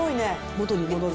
元に戻る。